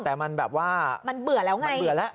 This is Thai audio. แต่มันแบบว่ามันเบื่อแล้วไงมันเบื่อแล้ว